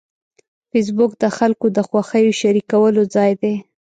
فېسبوک د خلکو د خوښیو شریکولو ځای دی